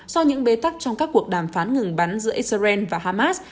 do những bế tắc trong các cuộc đàm phán ngừng bắn giữa israel và hamas